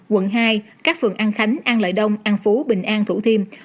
quận hai các phường an khánh an lợi đông an phú bình an thủ thiêm